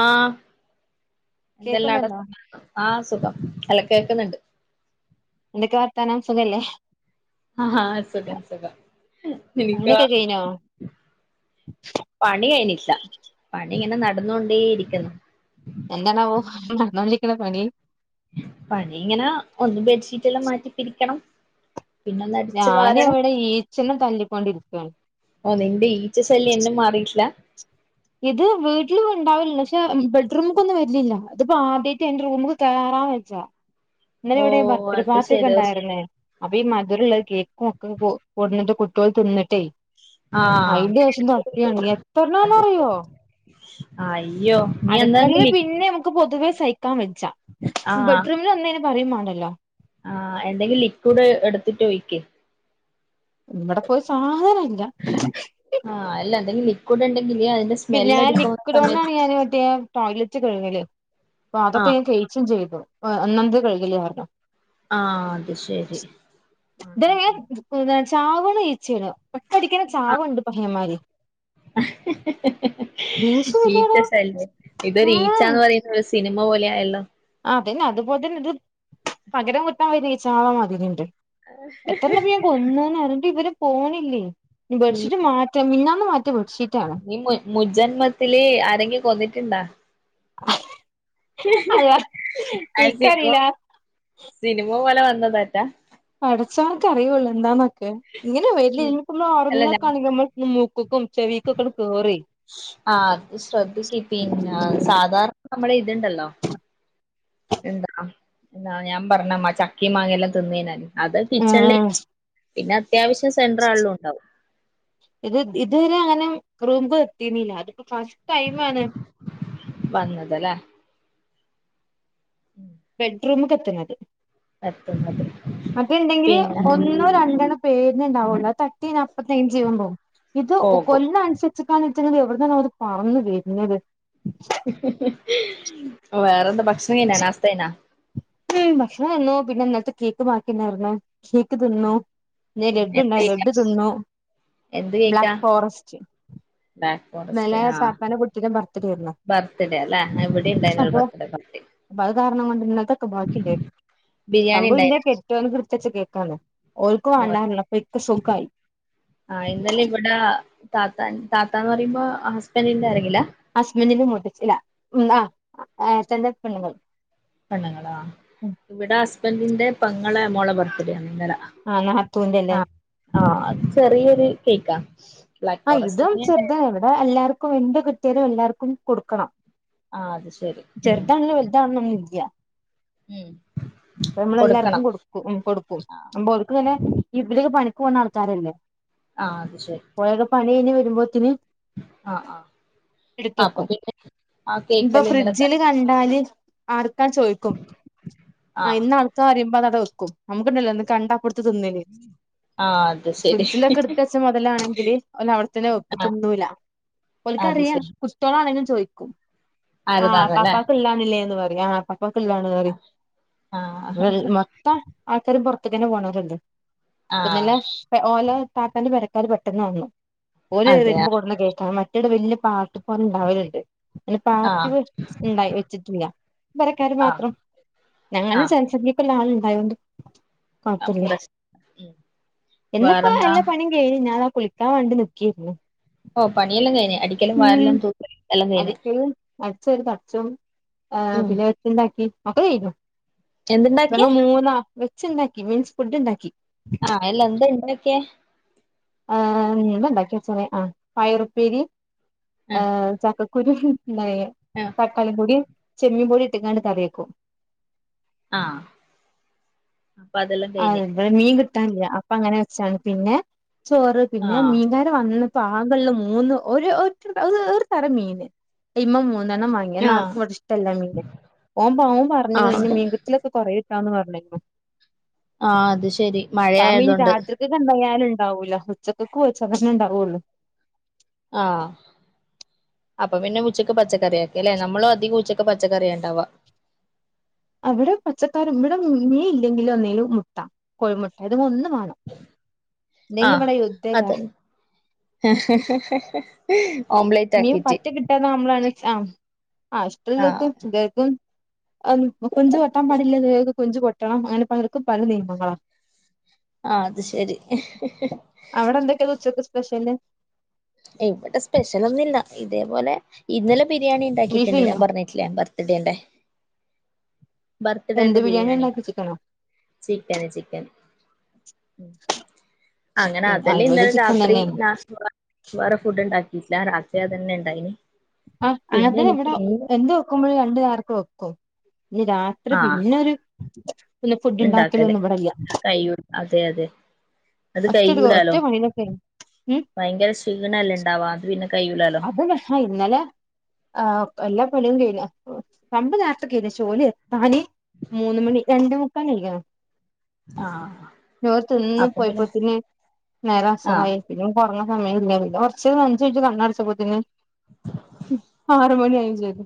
ആഹ് എന്തെല്ലാടാ കേക്കുന്നുണ്ടോ [unintelligible] ആഹ് സുഖം ആഹ് കേക്കുന്നുണ്ട് എന്തൊക്കെയാ വർത്താനം സുഖല്ലേ? ആഹ് സുഖം സുഖം ഇനിക്കോ? പണിയൊക്കെ കഴിഞ്ഞോ പണി കഴിഞ്ഞിട്ടില്ല പണി ഇങ്ങനെ നടന്നോണ്ടേ ഇരിക്കുന്ന് എന്തണാവോ നടന്നോണ്ട് ഇരിക്കണ പണി? പണി ഇങ്ങനെ ഒന്ന് ബെഡ്ഷീറ്റ് എല്ലാം മാറ്റി പിരിക്കണം. പിന്നെ ഒന്ന് അടിച്ചു ഞാന് വാരണം ഇവിടെ ഈച്ചനെ തല്ലിക്കോണ്ടിരിക്കാണ്. ഓഹ് നിന്റെ ഈച്ച ശല്യം ഇന്നും മാറിയിട്ടില്ല [inaudible] ഇത് വീട്ടിലും ഇണ്ടാവല്ണ്ട് പക്ഷെ ബെഡ്റൂമ്ക്കൊന്നും വരലില്ല ഇതിപ്പോ ആദ്യായിട്ട് ഇന്റെ റൂമ് കേറാൻ വെച്ചാ ഇന്നലെ ഓ ഇവിടെ ബർത്ത്ഡേ അത് പാർട്ടി ഒക്കെ ശരി ഇണ്ടായിരുന്നേ അപ്പൊ ഈ മ ഇന്നട്ട്ള്ള കേക്കും ഒക്കെ കൊ കൊട്ന്ട്ട് കുട്ടിയോള് തിന്നിട്ടേ ആഹ് അയിന്റെ ശേഷം തൊടത്തിയതാണ് എത്രണ്ണാന്ന് അത് അറിയോ ശരി അയ്യോ നീ അടുക്കളയില് എന്തെങ്കിലി പിന്നെ അമ്മക്ക് പൊതുവേ സഹിക്കാൻ വെച്ചാം ആഹ് ബെഡ്റൂമിൽ വന്ന് കഴിഞ്ഞാ പറയും മാണ്ടല്ലോ ആഹ് എന്തെങ്കിലും ലിക്വിഡ് എടുത്തിട്ട് ഒഴിക്ക്. ഇവടെപ്പോ ഒരു സാധന ഇല്ല ആഹ് അല്ല എന്തെങ്കും ലിക്വിഡ് ഇണ്ടെങ്കിൽ അതിന്റെ സ് ഞാൻ ലിക്വിഡ് കൊണ്ടാണ് ഞാൻ മറ്റേ ടോയ്ലറ്റ് കഴ്കല് അപ്പൊ അതൊക്കെ ആഹ് ഞാൻ [unintelligible] ച്ചും ചെയ്തു ഏഹ് ഒന്നാമതെ കഴുകല് കാരണം ആഹ് അത് ശരി ആഹ് ഇത് ആഹ് [unintelligible] ചാവണ ഇച്ചാണ് ഒറ്റടിക്കന്നേ ചാവുണ്ട് പഹയന്മാര്. ദേഷ്യം വരിയെടോ ഈച്ച ശല്യം ഇതൊരു ഉം ഈച്ചാന്ന് പറയുന്നത് ഒര് സിനിമ പോലെ ആയല്ലോ ആഹ് അതന്നെ അതുപോലെ തന്നെ ഇത് പകരം കുത്താൻ വെരാ ഈച്ചകളെ മതിരിയുണ്ട്. എത്രണ്ണപ്പം ഞാൻ കൊന്നുന്നാ ഇന്നട്ട് ഇവര് പോണില്ലേ ഇനി ഉം ബെഡ്ഷീറ്റ് മാറ്റ് മാറ്റാ മിഞ്ഞാന്ന് മാറ്റിയ ബെഡ്ഷീറ്റ് ആണ്. നീ മു മുജജന്മത്തില് ആരെങ്കി കൊന്നിട്ടുണ്ടാ. അയാ ആ സിനിമ ഇക്കറിയില്ല സിനിമ പോലെ വന്നതാറ്റാ പടച്ചോൻക് അറിയൂള്ളൂ എന്താന്നൊക്കെ ഇങ്ങനെ [unintelligible] ഇനിയിപ്പ ഇമ്മള് അല്ല ഞാൻ ഒറങ്ങക്കാണെങ്കില് ഇമ്മള് [unintelligible] മൂക്കുക്കും ചെവിക്കൊക്കെ ഇങ്ങട് കേറുവെ ആഹ് അത് ശ്രദ്ധിക്ക് പിന്നെ സാധാരണ നമ്മളെ ഇതുണ്ടല്ലോ എന്താ [unintelligible] ഞാൻ പറഞ്ഞ മ ചക്കിം മാങ്ങിയെല്ലാം തിന്നീനല്ലോ അത് കിച്ചണിലെ ആഹ് പിന്നെ അത്യാവശ്യം സെൻ്റർ [unintelligible] ഇണ്ടാവും. ഇത് ഇതുവരെ അങ്ങനെ [unintelligible] എത്തീനില്ല ഇത് ഇപ്പോ ഫസ്റ്റ് ടൈം ആണ് വന്നത് അല്ലേ ഉം ബെഡ്റൂമക്കെത്തുന്നത് എത്തുന്നത് അത്ണ്ടെങ്കില് പിന്നെ ഒന്നോ രണ്ടണ്ണോ പേരിന് ഇണ്ടാവോള്ളു അത് തട്ടി ഞാൻ അപ്പ ക്ലീൻ ചെയ്യാൻ പോവും ഇത് പോകും കൊല്ലണ [unintelligible] [unintelligible] എവിടെന്നാണ് ഓല് പറന്നു വെരുന്നത്. വേറെന്താ ഭക്ഷണം കഴിഞ്ഞാ നാസ്ത കയിഞ്ഞാ? [unintelligible] ഭക്ഷണംതീന്നു പിന്നെ ഇനലതൊകേക്ക് ബാക്കിണ്ടേരുന്നു. കോക്ക് തിന്നു ന്നേ ലഡുര് എന്ത് കഴിക്കാ ലഡു തിന്നു എന്ത് കഴിക്കാ ബ്ലാക്ക് ഫോറസ്റ്റ്. ബ്ലാക്ക് ഫോറസ്റ്റ് ഇന്നലെ ആഹ് താത്താന്റെ കുട്ടീന്റെ ബർത്ത്ഡേ ആയിരുന്നു ബർത്ത്ഡേ അല്ലേ ഇവിടെ ഇണ്ടായിനു അപ്പൊ ബർത്ത്ഡേ പാർട്ടി അപ്പൊ അത് കാരണം കൊണ്ട് ഇന്നലത്തൊക്കെ ബാക്കില്ലേ ബിരിയാണി സംഭവം ഇന്റെ ഉണ്ടായിന കെട്ടിയോൻക്ക് എടുത്ത് വെചേ കേക്കാണ്. ഓൽക്ക് വെണ്ടാറഞ്പോ ഇക്ക് സുഖായി ട.. താത്താൻ താത്താന്ന് പറയുമ്പോ ഹസ്ബൻഡിന്റെ ആരേങ്കില?. ഹസ്ബന്റിന്റെ മൂതച്ചി ല്ല ഉം അഹ് ഏട്ടന്റെ പെണ്ണുങ്ങൾ. പെണ്ണുങ്ങളാ ഇവിടെ ഹസ്ബൻഡിന്റെ പോങ്ങളെ മോളെ ബർത്ത്ഡേ ആണ് ഇന്നലാ ആഹ് നത്തൂന്റെ അല്ലേ. ആഹ് ചെറിയൊരു കേക്കാ. ബ്ലാക്ക് ഓഹ് ഇതും ഫോറസ്റ്റന്നെ ചെറുതാ ഉണ്ടായത് ഇവിടെ എല്ലാവർക്കും എന്ത്‌ കിട്ടിയാലും എല്ലാവർക്കും കൊടുക്കണം. ആ അത് ശരി ഉം ചെറുതാന്നെന്ന് വലുതാണെന്ന് ഒന്നും ഇല്ല്യ. ഉം.. അപ്പ നമ്മളെ എല്ലാർക്കും കൊടുക്കണം കൊടുക്കും, കൊടുക്കും, ആ അപ്പൊ അവർക്ക് നല്ലെ ഇവിടൊക്കെ പണിക്ക് പോകണ ആൾക്കാരല്ലേ?. ആ അത് ശരി. പോയൊരു പണികഴിഞ്ഞു വരുമ്പോത്തിന്.. ആഹ് ആ അപ്പൊ എടുത്തക്കും പിന്നെ ആ ഇപ്പൊ കേക്കല്ലാം ഇന്നലെ ത. ഫ്രിഡ്ജില് കണ്ടാല് ആർക്കാ ചോയിക്കും?.. ആ ആഹ് ഇന്ന ആൾക്കാരിമ്പോ അതത് വെക്കും നമുക്ക്ണ്ടല്ലോന്ന് കണ്ട [unintelligible] ആഹ് അതെ.. ഫ്രിഡ്ജില ഒക്കെ എടുത്ത വച്ച മുതലാണെങ്കില് ഓന് അവിടെത്തന്നെ വെക്കും ആ തിന്നുല്ല. അത് ഓല്ക്കറിയാം- ശരി കുട്ട്യോളാ ണെലും ചോയിക്കും ആ ആരതാണല്ലേ പപ്പാക്ക് ഇല്ലാന്നില്ലേന്ന് പറയും, ആ പാപ്പക്ക് ഇല്ലാന്ന്.. ആ മൊത്തം ആൾക്കാരും പൊറത്തേക്കന്നെ പോണവരുണ്ട് ആ ഇപ്പൊന്നല്ലെ.. ഓലേ താത്തന്റെ പരക്കാര് പെട്ടെന്ന് വന്നു ഓര് അതെ വരുമ്പോ കൊണ്ട്ന്ന കേക്കാ കുട്ടടെ വല്ല്യാ പാട്ട്പാറ ഉണ്ടാവലുണ്ട്. പിന്നെ ആ പാർട്ടി ഉണ്ടായി വെച്ചിട്ടില്ല പെരക്കാര് ആ മാത്രം. ഞങ്ങള് ആ ചർച്ചസക്കുള്ള ആള് ഉണ്ടായോണ്ട് കൊഴപ്പല്ല്യ പ്രശ് ഉം എന്നപ്പ വേറെന്താ എല്ലാ പണിം.. കയിഞ് ഞാ താ കുളിക്കാ വേണ്ടി നിക്കായിരുന്നു.. ഓഹ് പണിയെല്ലാ കഴിഞ്ഞ് അടി ക്കലും വാരല്ലാം തൂക്കലും എല്ലാം കഴിഞ്ഞ്. അടിച്ച ഒരു തച്ചും ഉം പിന്നെ വെച്ച ഉണ്ടാക്കി ഒക്കെയ്ഞ്ഞു എന്തുണ്ടാക്കിയ നമ്മ് മൂന്നാ വെച്ചുണ്ടാക്കി മീൻസ് ഫുഡ് ഉണ്ടാക്കി.. ആഹ് അല്ല എന്താ ഇണ്ടൊക്കിയേ? ആഹ് എന്താ ഇണ്ടാക്കിയെച്ചേ ന് ആ പയറുപ്പേരി ചക്കകു.. കുരുണ്ടായേ ആഹ് തക്കാളി പൊടിയും ചെമ്മീൻ പൊടിയും ഇട്ട്ങ്ങാണ്ട് കറിവെക്കും.. ആഹ് അപ്പൊ അതെല്ലാം കഴിഞ്ഞ്.. ടെ മീൻ കിട്ടാനില്ല അപ്പ അങ്ങനെ വെച്ചാണ് പിന്നെ ചോറ് ആ പിന്നെ മീൻ ക.. വന്നിന്നപ്പ ആകള്ളേ മൂന്ന് ഒരു വെര്ത്രരം മീന് അയ്മേ മൂന്നെണ്ണം വാങ്ങി ങീന്നും ആ ആർക്കും ഇവിടെ ഇഷ്ടല്ല മീന് ഓമ്പൻ ആ പറഞ്ഞു ഇനി മീൻകുട്ടിലൊക്കെ കറി വെക്കാന്ന്വെക്കാന്ന്പറഞ്ക്ണ്. ആഹ് അത് ശരി. ആമീൻ മഴയായതുകൊണ്ട് രാത്രിക്കക്ക് എന്തായാലും ഇണ്ടാവൂല്ല്യ ഉച്ചക്കക്ക് ഒച്ചക്കന്നെ ഉണ്ടാവുള്ളു. ആഹ്. അപ്പൊ പിന്നെ ഉച്ചയ്ക്ക് പച്ചക്കറിയാക്കില്ലേ നമ്മളും അധികം ഉച്ചക്ക് പച്ചക്കറിയ ഉണ്ടാവാ. അവിടെ പച്ചക്കാറി ഇവിടെ മീൻ ഇല്ലെങ്കിലും ഒന്നേലു മുട്ട കോഴിമുട്ട എതേങ്കി ഒന്ന് വേണം. ഇല്ലെങ്കി ആഹ് ഇവിടെ യുദ്ധേക്കാരം അതെ.. നീും പട്ട കിട്ടതാമ്മള ആഹ് ഹസ്റ്റലക്കും ഇക്കും [unintelligible] കൊഞ്ചു കൊട്ടാൻ പാടില്ലക്ക് കൊഞ്ചു കൊട്ടണം അങ്ങനെ പലർക്കും പല നിയമങ്ങളാ. ആഹ് അത് ശരി അവിടെ എന്തൊക്കെയാ ഉച്ചക്ക് സ്പെഷ്യല്? ഇവിടെ സ്പെഷ്യലൊന്നുല്ല ഇതേപോലെ ഇന്നലെ ബിരിയാണി ഉണ്ടാക്കിയിട്ടുണ്ട് ഞാൻ ബീഫിനോ പറഞ്ഞി. ബർത്ത്ഡേന്റെ എന്ത് ബർത്ത്ഡേന്റെ ബിരിയാണി. ഉണ്ടാക്കി ചിക്കനോ ചിക്കന് ചിക്കൻ. അങ്ങനെ ചിക്കൻ ആ അതല്ലേ ഇവിടെ ഇന്നലെ ചിക്കൻ രാത്രി തന്നെയായിരുന്നു ന വേറെ ഫുഡ്ണ്ടാക്കിട്ടില്ല രാത്രി അതന്നെ ഉണ്ടായിന് ആ പിന്നെ അങ്ങത്തെെ എനിക്ക് ഇവിടെ എന്ത് വെക്കുമ്പോഴും രണ്ടുകാർക്കും വെക്കും രാത് അത്ര ആഹ് പിന്നൊരു പിന്നെഫുഡിണ്ടാക്കലും ഉണ്ടാക്കല് ഒന്നും ഇവടില്ല. കയ്യൂല അതെ അതെ അത് ഒറ്റൊരു ഒറ്റ കയ്യൂലാലോ? പണിയിലൊക്കെ ഉം ഭയങ്കരഷീണല്ലെ ഇണ്ടാവാ അത് പിന്നെ കയ്യൂലാലൊ ആഹ് ഇന്നലെ എല്ലാ പളിയും തീര പമ്പ് നേർത്തെ [unintelligible] ഷോല് താണി മൂന്ന് മണി രണ്ടെമുക്കാലായിക്കണ് ആഹ് രോത്ത് തിന്ന് അപ്പം പിന്നെ പോയിപ്പത്തേന് നേരം ആഹ് അസറായി പിന്നെ കൊറഞ്ഞ സമയം ഇല്ല പിന്നെ കൊറച്ച് അഞ്ച്മിന്റ്റ് കണ്ണടച്ചപോത്തിന് മണിയാവെം ചെയ്ത്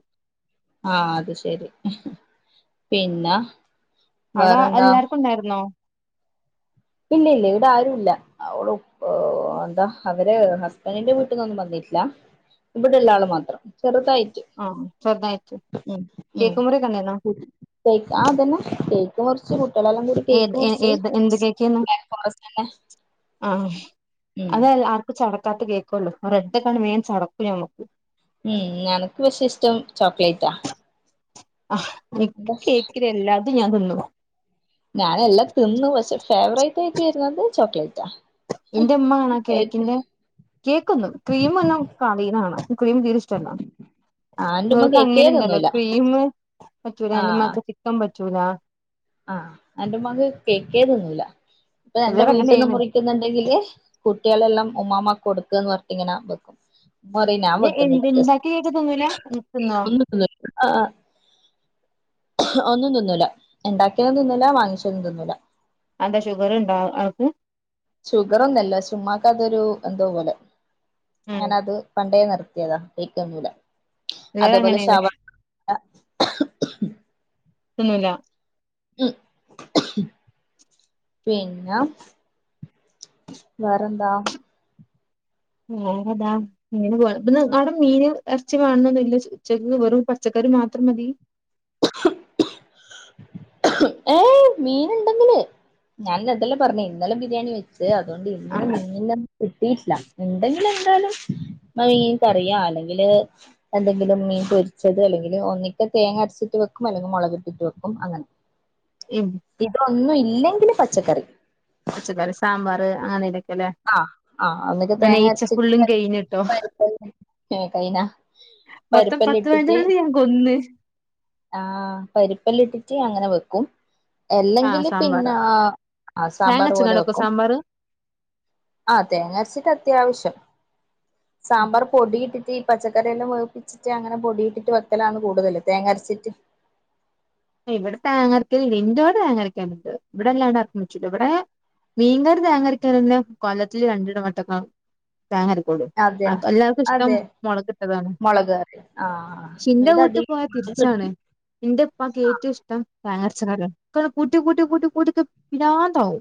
ആഹ് അത് ശരി പിന്നെ? അവട വേറെന്താ എല്ലാർക്കും ഉണ്ടാരുന്നോ ഇല്ലില്ല ഇവിടെ ആരുല്ല അവളു എന്താ അവര് ഹസ്ബൻഡിന്റെ വീട്ട്ന്നൊന്നും വന്നിട്ടില്ല. ഇവിടുള്ള ആള് മാത്രം ചെറുതായിറ്റ് ആഹ് ചെറ്തായിട്ട് കേക്ക് മുറീക്കൊണ്ടാരുന്നൊ തേക്ക് ആഹ് അതന്നെ കേക്ക് മുറിച്ചു കുട്ട്യോളെല്ലാം ഏത് ഏത് എന്ത് കേക്ക് ബ്ലാക്ക് ഫോറസ്റ്റന്നെ ആഹ് അതെല്ല ആർക്കും ചടക്കാത്ത കേക്കൊള്ളു റെഡെക്കാണെ വേം ചടക്കു ഞമ്മക്ക് ഉം അനക്ക് പക്ഷേ ഇഷ്ടം ചോക്ലേറ്റാ ആഹ് നിക്ക് എന്താ കേക്കില് എല്ലാതും ഞാൻതിന്നും ഞാന് എല്ലാം തിന്നു പക്ഷെ ഫേവറേറ്റായിട്ടരുന്നത് ചോക്ലേറ്റാ എന്റെ ഉമ്മ ആണ കേക്കിന്റെ കേക്കിന്നും ക്രീം ഒന്നും [unintelligible] ക്രീം തീരെഷ് ആഹ് എന്റുമ്മ നിക്ക് കേക്കേ അങ്ങനുണ്ടല്ലോ തിന്നൂല ക്രീമ് പറ്റുല്ല ആഹ് എന്റുമ്മാക്ക് ക്കം പറ്റൂല്ല ആഹ് എന്റെ ഉമ്മാക്ക് കേക്കേതിന്നൂല്ല ഇപ്പൊ എന്റെ ചിലർ വീട്ട്ന്ന് അങ്ങനെയാണ് മുറി ക്കുന്നുണ്ടെങ്കില് കുട്ടികളെല്ലാം ഉമ്മാമാക്ക് കൊടുക്ക്ന്ന് പറഞ്ഞിട്ട് ഇങ്ങനെ വെക്കും ഉമ്മറയും ഞാൻ പിന്നെ വെക്കുന്നില എന്ത് ഇണ്ടാക്കിയ കേക്ക് തിന്നൂല തിന്നോ ആഹ് ഒന്നും തിന്നൂല്ല ഇണ്ടാക്കിയതു തിന്നൂല്ല വാങ്ങിച്ചതും തിന്നൂല്ല അയെന്താ ഷുഗറിണ്ടാ ആൾക്ക് ഷുഗറൊന്നുല്ല ഷെ ഉമ്മാക്ക് അതൊരു എന്തോപോലെ അങ്ങനെ അത് പണ്ടേ നിർത്തിയതാ കേക്കിന്നൂല്ല ലെ അങ്ങനന്നെ തിന്നൂല്ല ഉം പിന്ന വേറെന്താ വേറെതാ മീന് പോണം ഇട്ന്ന് അവടെ മീന് എറച്ചി വേണന്നൊന്നു ഉച്ചക്ക് വെറും പച്ചക്കറി മാത്രം മതി [unintelligible] ഏഹ് മീൻ ഇണ്ടെങ്കില് ഞാനി അതല്ലെ പറഞ്ഞെ ഇന്നലെ ബിരിയാണി വെ ച്ച് അതോണ്ട് ഇന്ന് മീന കിട്ടീട്ടില്ല ഇണ്ടെങ്കിലെന്താലും മീങ്കറിയാ അല്ലെങ്കില് എന്തെങ്കിലും മീൻ പൊരിച്ചത് അല്ലെങ്കില് ഒന്നിക്ക തേങ്ങ അരച്ചി ട്ട് വെക്കും അല്ലെങ്കി മൊളകിട്ടിട്ട് വെക്കും അങ്ങനെ ഇം ഇതൊന്നും ഇല്ലെങ്കില് പച്ചക്കറി പച്ചക്കറി സാമ്പാർ അങ്ങനെ ഇലക്കെല്ലേ ആഹ് ആഹ് ഒന്നെങ്കി തേങ്ങ അരച്ചിട്ട് കഴിഞ്ഞിട്ടോ [inaudible] കൈന മൊത്തം പരിപ്പെല്ലാം പത്ത് ഇട്ടിട്ട് പതിനഞ്ചെണം ഞാ കൊന്ന് ആഹ് പരിപ്പെല്ല ഇട്ടിട്ട് അങ്ങനെ വെക്കും ആ അല്ലെങ്കില് സാമ്പാർ പിന്നെ അഹ് സാമ്പാർ പോലെ തേങ്ങരച്ച്ങ്ങാണ്ടൊക്കോ വെക്കും സാമ്പാർ ആഹ് തേങ്ങ അരച്ചിട്ട് അത്യാവശ്യം സാമ്പാർ പൊടിയിട്ടിട്ട് പച്ചക്കറിയെല്ലാം ഒഴപ്പിച്ചിട്ട്ങ്ങനെ പൊടിട്ട് വക്കലന്ന് കൂടുതല് തേങ്ങ അരച്ചിട്ട് ഇവിടെ തേങ്ങരയ്ക്കൽ [unintelligible] തേങ്ങരക്കാാനുണ്ട് ഇവിടെല്ലാണ്ട് ആർക്ക വ ഇവിടെ മീൻകാർ തോങ്ങരിക്കാറല്ലെ കൊല്ലത്തില് രണ്ടിട മട്ടക്ക താങ്ങരക്കോട് അതെ എല്ലാവർക്കും ഇഷ്ടം അതെ മുളകിട്ടതാണ് മുളക് കറി ആഹ് ക്ഷേ ന്റെ ഇവിടെ കൂട്ട പോ അധികം തിരിച്ചാണ് എന്റെ അപ്പൊക്ക് ഏവും ഇഷ്ടം താങ്ങച്ചക്കാര കൂട്ടി കൂട്ടി കൂട്ടി കൂട്ടെ പിന്നാതാവും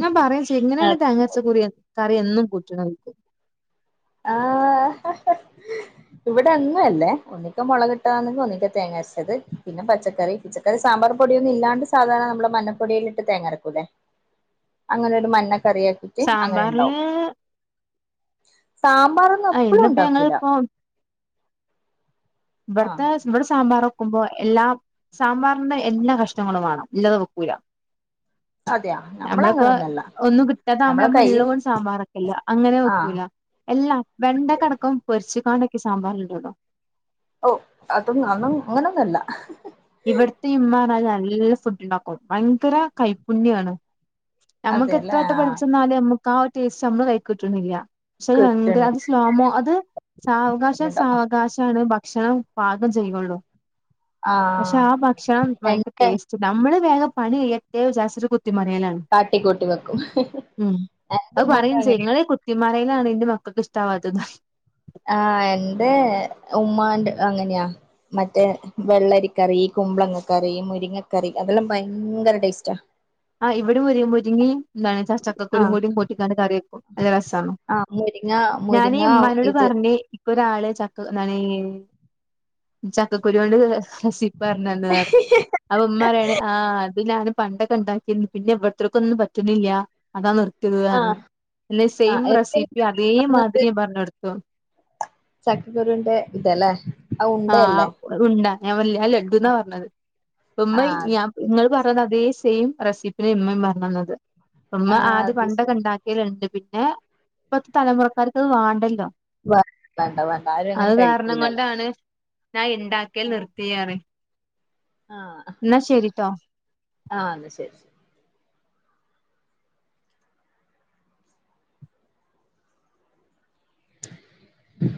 ഞാൻ പറയാം ചെയ്യും എങ്ങനെയാണ് തേങ്ങച്ചക്കുറി കറി എന്നും കൂട്ടണത് ആഹ് ആശ്ഫ്ഫ്ഗ്ഗ് ഇവിടെ അങ്ങ അല്ലേ [unintelligible] മുള കിട്ടുകാണെങ്കിൽ ഒന്നിക്ക തേങ്ങ അച്ചത് പിന്നെ പച്ചക്കറി പച്ചക്കറി സാമ്പാർ പൊടിയന്നും ഇല്ലാണ്ട് സാധാരണ നമ്മുടെ മ പൊടിയിലിട്ട് തങ്ങാറക്കല്ലേ ഞജ്ജ് അങ്ങനെ ഒരു മഞ്ഞ കറിയാക്കി സാമ്പാറില് സാമ്പാറൊന്നും ആ എപ്പഴും ഇന്നിപ്പോ ഞങ്ങൾ ഉണ്ടാക്കൂല ഇപ്പോ ആഹ് ഇവിടത്തെ ഇവിടെ സാമ്പാർ ഒക്കുമ്പോ എല്ലാം സാമ്പാറിന്റെ എല്ലാ കഷ്ണങ്ങളും വേണം ഇല്ലാതെ വെക്കൂല അതെയാ നമ്മള് നമ്മളപ്പോ അങ്ങനൊന്നല്ല ഒന്നും കിട്ടാത്ത ആകുമ്പോ നമ്മളെ നമ്മ ഉള്ള കയ്യിൽ പോണ്ട് സാമ്പാറ ഒക്കെല്ല അങ്ങനെ ആഹ് വെക്കൂല എല്ലാ വെണ്ട കിടക്കും പൊരിച്ചുണ്ടക്കെ സാമ്പാറ [unintelligible] ഓഹ് അതൊന്ന അന്നും അങ്ങനൊന്നല്ല ഇവിടുത്തെ ഇമ്മാ പറഞ്ഞൽ നല്ല ഫുഡ് ഉണ്ടാക്കും ഭയങ്കര കൈപ്പുണ്യമാണ് നമ്മുക്ക് അതെല്ലേ ആ എത്രോട്ടം പഠിച്ചന്നാലും നമ്മുക്ക് ആ ടേസ്റ്റ് നമ്മള് കഴിക്കോട്ടുന്നില്ല പക്ഷെ ഭയങ്കര അത് കിട്ടണില്ല സ്ലോമോ അത് സാവകാശം സാവകാശണ് ഭക്ഷണം പാകം ചെയ്യുള്ളൂ പക്ഷെ ആഹ് ആ ഭക്ഷണം ഭയങ്കര എന്റെ ടേസ്റ്റ് നമ്മള് വേഗ പണി ഏറ്റവും ജാസ കുത്തിമറിയലാണ് കാട്ടിക്കൂട്ടി വെക്കും എന്തും മ അങ്ങനെയ [unintelligible] മരയിലാണ് ന്റെ മക്കൾക്ക് ഇഷ്ടവാത്തത് ആഹ് എൻ്റെ ഉമാണ്ട് അങ്ങനെയാ മറ്റേ വെള്ളരി കറി കുമ്പളങ്ങ കറി മുരിങ്ങക്കറി അതെല്ലാം ഭയങ്കര ടേസ്റ്റാ അഹ് ഇവിടെയും മുരിങ്ങയും എന്താണ് ച [unintelligible] ആഹ് കുരുകുടിയും പൂട്ടിക്ക കറിയക്കും അല്ല രസണോ ആഹ് മുരിങ്ങ ഞാനി മുരിങ്ങ ഉമ്മാനോട് ഇത് പറഞ് ഒരാള ചക്ക നണ ചക്കക്കുരു കൊണ്ട് ഹസിപ്പ പറഞ്ഞന്ന് പറഞ്ഞ അവ ഉമമാരാണ് ആ് അത് ഞാന് പണ്ടൊ കെണ്ടാക്ക പിന്നെ ഇവിടത്തേക്കും ഒന്നും പറ്റുന്നില്ല അതാ നിർത്തിയത് പറഞ് ആഹ് അല്ലെ സെയിം ആഹ് റെസിപ്പി അതേ മാതിരി പറഞ് കൊടുത്ത ചക്കക്കുരുവിന്റെ ഇതല്ലേ അ ഉണ്ടയല്ലേ ഉണ്ടാ ഞാൻ വല്ല ലഡു എന്നാ പറഞ്ഞത് അമ്മ ആഹ് ഞാൻ അത് ശരി നിങ്ങൾ പറഞ്ഞത് അതേ സെയിം റെസിപ്പിന ഉമ്മയും പറഞ്ഞത് ഉമ്മ ആഹ് ആദ്യ അത് പണ്ട ശരി ഉണ്ട യിലുണ്ട് പിന്നെ ഇപ്പത്തെ തലമുറക്കാർക്ക് അത് വാണ്ടല്ലോ വേണ്ട വേണ്ട ആരും അത് അങ്ങനെ കാരണം കഴിക്കൂലല്ലോ കൊണ്ടാണ് ഞാ ഉണ്ടാക്കൽ നിർത്തിയാണ് ആഹ ആ അന്ന ശരി മ്മ്മ്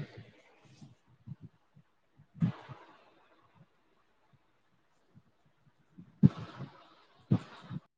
മ്മ്മ്